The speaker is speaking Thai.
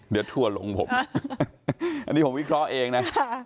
เดี๋ยวถั่วลงผมอันนี้ผมวิเคราะห์เองนะ